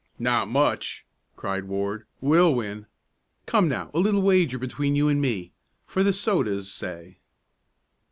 "Not much!" cried Ward. "We'll win. Come now, a little wager between you and me for the sodas, say."